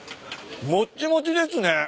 もっちもちですね。